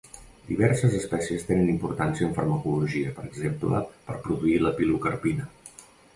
Diverses espècies tenen importància en farmacologia, per exemple per produir la pilocarpina.